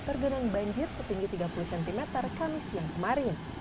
tergenang banjir setinggi tiga puluh cm kamis yang kemarin